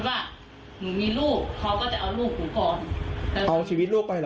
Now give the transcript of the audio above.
เอาชีวิตลูกไปเหรอใช่เขาบอกว่าจะเอาชีวิตลูกหนูก่อน